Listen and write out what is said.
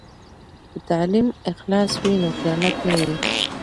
که تعلیم اخلاص وي، نو خیانت نه وي.